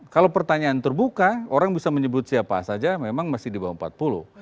kalau pertanyaan terbuka orang bisa menyebut siapa saja memang masih di bawah empat puluh